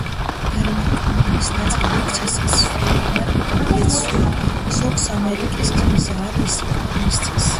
დრამატურგების ნაწილს იქ ჩასასვლელად არ ეცალა, ზოგს ამერიკის ვიზა არ მისცეს.